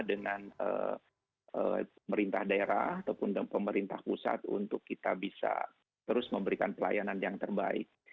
dengan pemerintah daerah ataupun pemerintah pusat untuk kita bisa terus memberikan pelayanan yang terbaik